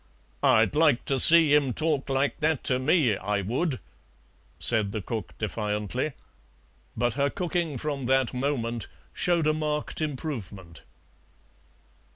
"I'd like to see 'im talk like that to me, I would," said the cook defiantly, but her cooking from that moment showed a marked improvement.